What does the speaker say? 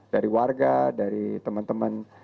dari warga dari teman teman